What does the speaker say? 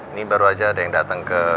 ini baru aja ada yang datang ke